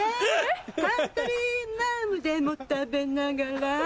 カントリーマアムでも食べながら